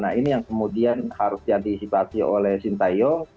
nah ini yang kemudian harus diantisipasi oleh sintayong